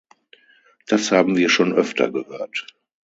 Das haben wir schon öfter gehört.